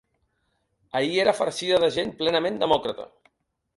Ahir era farcida de gent plenament demòcrata.